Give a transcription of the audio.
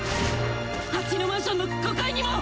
あっちのマンションの５階にも！